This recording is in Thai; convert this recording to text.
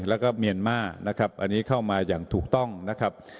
แล้วก็เมียนมาร์นะครับอันนี้เข้ามาอย่างถูกต้องนะครับ